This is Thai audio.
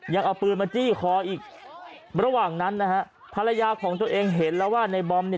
ยังเอาปืนมาจี้คออีกระหว่างนั้นนะฮะภรรยาของตัวเองเห็นแล้วว่าในบอมเนี่ย